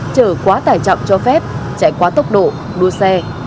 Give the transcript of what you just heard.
chở quá tải trọng cho phép chạy quá tốc độ đua xe